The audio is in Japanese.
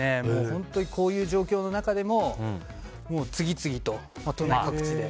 本当、こういう状況の中でも次々と都内各地で。